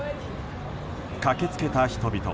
駆け付けた人々。